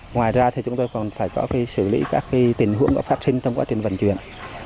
ngoài ra chúng tôi còn phải xử lý các tình huống phát sinh trong quá trình vận chuyển